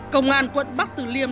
công an quận bắc tử liêm